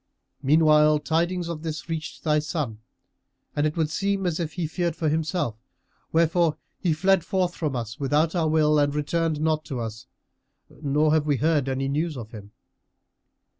Meanwhile, tidings of this reached thy son, and it would seem as if he feared for himself; wherefore he fled forth from us, without our will, and returned not to us, nor have we heard any news of him."